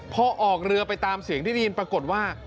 พอออกเรือไปตามเสียงที่ได้ยินปรากฏว่า